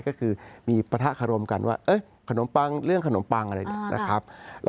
ก็คือมีปะทะคารมกันว่าขนมปังเรื่องขนมปังอะไรเนี่ยนะครับ